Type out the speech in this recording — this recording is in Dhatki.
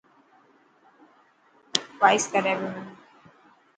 وائس ڪري پيو منا.